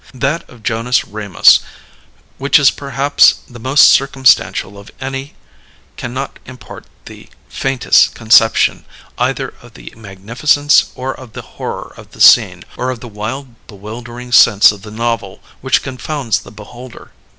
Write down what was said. That of Jonas Ramus, which is perhaps the most circumstantial of any, cannot impart the faintest conception either of the magnificence or of the horror of the scene, or of the wild bewildering sense of the novel which confounds the beholder.